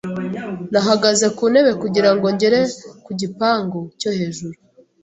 Nahagaze ku ntebe kugira ngo ngere ku gipangu cyo hejuru.